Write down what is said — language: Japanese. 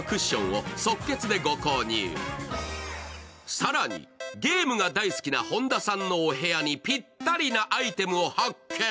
更に、ゲームが大好きな本田さんのお部屋にピッタリなアイテムを発見。